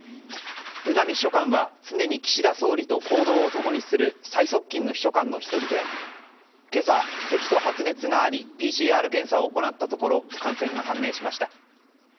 宇波秘書官は常に岸田総理と行動を共にする最側近の秘書官の１人で今朝、せきと発熱がありＰＣＲ検査を行ったところ感染が判明しました。